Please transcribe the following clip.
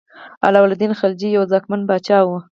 علاء الدین خلجي یو ځواکمن پاچا و.